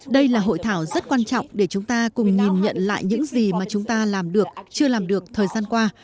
đây là hội thảo rất quan trọng để chúng ta cùng nhìn nhận lại những gì mà chúng ta làm được chưa làm được thời gian qua